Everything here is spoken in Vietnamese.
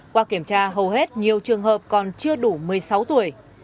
qua kiểm tra hầu hết nhiều trường hợp còn chưa đủ một mươi sáu tuổi